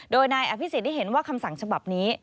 โดยนายอภิษฎได้เห็นว่าคำสั่งฉบับนี้